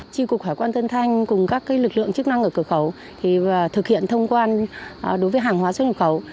tri cục hải quan tân thanh cùng các lực lượng chức năng ở cửa khẩu thực hiện thông quan đối với hàng hóa xuất nhập khẩu